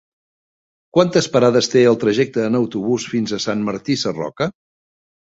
Quantes parades té el trajecte en autobús fins a Sant Martí Sarroca?